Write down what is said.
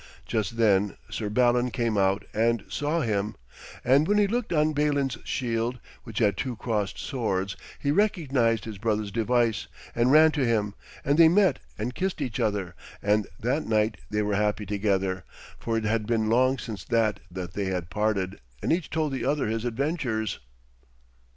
Just then Sir Balan came out and saw him, and when he looked on Balin's shield, which had two crossed swords, he recognised his brother's device, and ran to him, and they met and kissed each other, and that night they were happy together, for it had been long since that they had parted; and each told the other his adventures.